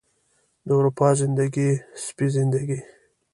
د اروپا زندګي، سپۍ زندګي